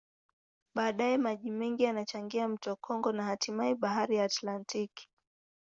Baadaye, maji mengine yanachangia mto Kongo na hatimaye Bahari ya Atlantiki.